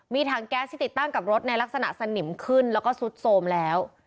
มีถังแก๊สที่ติดตั้งกับรถในลักษณะสนิมขึ้นแล้วก็ซุดโทรมแล้ว